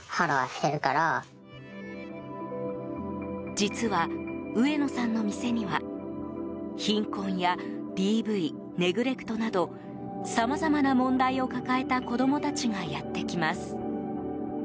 実は、上野さんの店には貧困やＤＶ、ネグレクトなどさまざまな問題を抱えた子供たちがやってきます。